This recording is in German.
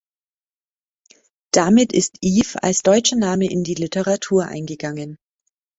Damit ist "Eve" als deutscher Name in die Literatur eingegangen.